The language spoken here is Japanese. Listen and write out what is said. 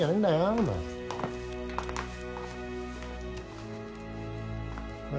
お前おい